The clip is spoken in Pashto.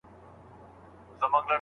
نو صنف خوندور کېږي.